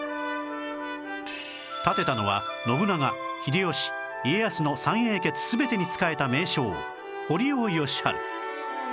建てたのは信長秀吉家康の三英傑全てに仕えた名将堀尾吉晴